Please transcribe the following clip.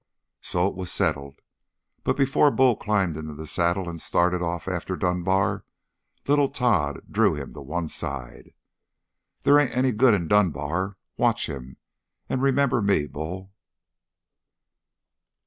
So it was settled. But before Bull climbed into the saddle and started off after Dunbar, little Tod drew him to one side. "There ain't any good in Dunbar. Watch him and remember me, Bull."